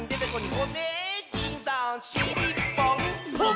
「ホネキンさんしりっぽん」ぽん！